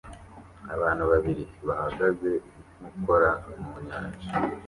abantu babiri bahagaze inkokora mu nyanja